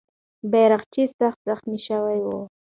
بیرغچی سخت زخمي سوی دی.